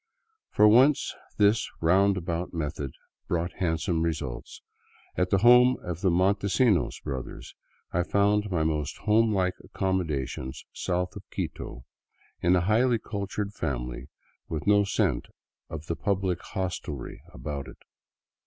For once this round about method brought handsome results; at the home of the Montesinos brothers I found my most home like accom modations south of Quito, in a highly cultured family with no scent of the public hostelry about it.